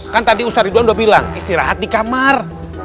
kan tadi ustadz ridwan udah bilang istirahat di kamar